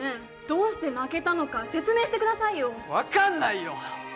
どうして負けたのか説明してくださいよ分かんないよ！